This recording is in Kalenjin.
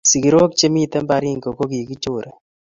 Sikirok che miten baringo kokikichore